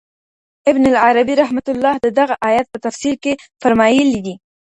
ابن العربي رحمه الله د دغه آيت په تفسير کي فرمايلي دي